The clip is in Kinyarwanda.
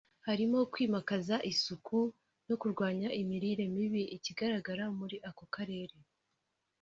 harimo kwimakaza isuku no kurwanya imirire mibi ikigaragara muri ako karere